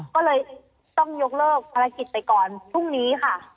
ก็เลยต้องยกเลิกภารกิจไปก่อนพรุ่งนี้ค่ะ